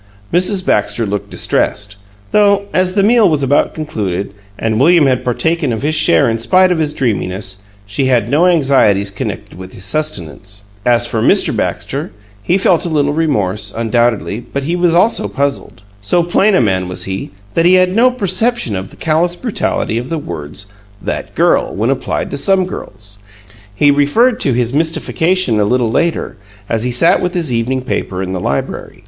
Mrs. Baxter looked distressed, though, as the meal was about concluded, and William had partaken of his share in spite of his dreaminess, she had no anxieties connected with his sustenance. As for Mr. Baxter, he felt a little remorse, undoubtedly, but he was also puzzled. So plain a man was he that he had no perception of the callous brutality of the words "THAT GIRL" when applied to some girls. He referred to his mystification a little later, as he sat with his evening paper in the library.